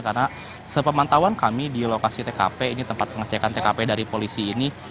karena sepemantauan kami di lokasi tkp ini tempat pengecekan tkp dari polisi ini